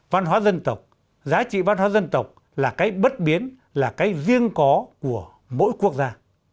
văn hóa dân tộc giá trị văn hóa dân tộc là cái bất biến là cái riêng có của mỗi quốc gia